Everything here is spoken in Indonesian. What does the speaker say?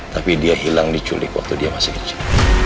tapi dia hilang diculik waktu dia masih diculik